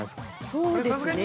◆そうですね。